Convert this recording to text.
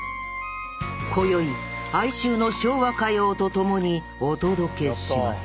こよい哀愁の昭和歌謡と共にお届けします